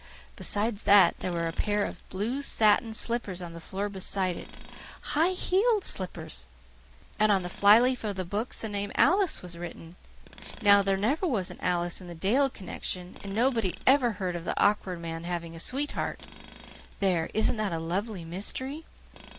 Besides that, there was a pair of blue satin slippers on the floor beside it HIGH HEELED slippers. And on the fly leaves of the books the name 'Alice' was written. Now, there never was an Alice in the Dale connection and nobody ever heard of the Awkward Man having a sweetheart. There, isn't that a lovely mystery?"